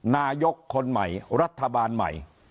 นายกคนใหม่รัฐบาลใหม่